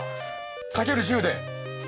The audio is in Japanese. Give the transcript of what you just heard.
掛ける１０で。